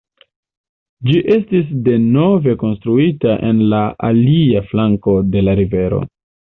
Ĝi estis denove konstruita en la alia flanko de la rivero.